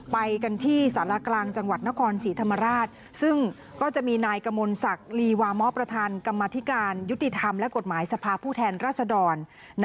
ไปกันที่สารกลางจังหวัดนครศรีธรรมราชซึ่งก็จะมีนายกมลศักดิ์ลีวามประธานกรรมธิการยุติธรรมและกฎหมายสภาพผู้แทนรัศดร